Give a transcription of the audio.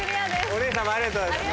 お姉さんもありがとうございます。